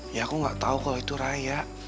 ya aku gak tau kalau itu raya